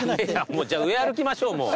じゃあ上歩きましょうもう。